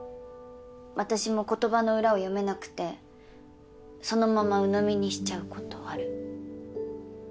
私も言葉の裏を読めなくてそのままうのみにしちゃうことある。